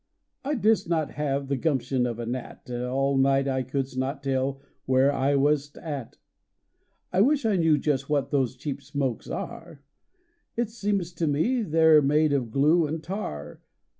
I didst not have the gumption of a gnat. All night I couldst not tell where I wast at. I wish I knew just what those cheap smokes are; 53 SONNETS OF A BUDDING BARD It seem st to me they re made of glue and tar.